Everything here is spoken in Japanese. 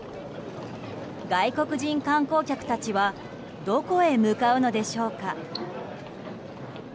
外国人観光客たちはどこへ向かうのでしょうか。